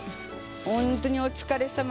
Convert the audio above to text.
本当にお疲れさま。